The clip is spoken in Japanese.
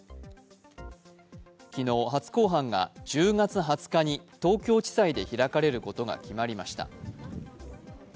昨日、初公判が１０月２０日に東京地裁で開かれることが決まりました。